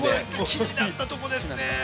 ◆気になったところですね。